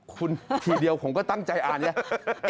คุณทีเดียวผมก็ตั้งใจอ่านไง